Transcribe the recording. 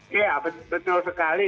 ya betul sekali